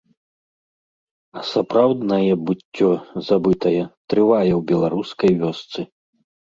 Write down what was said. А сапраўднае быццё, забытае, трывае ў беларускай вёсцы.